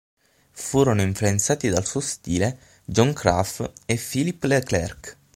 Furono influenzati dal suo stile Johann Graf e Philippe Le Clerc.